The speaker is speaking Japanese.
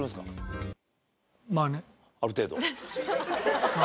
ある程度？